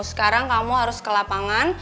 sekarang kamu harus ke lapangan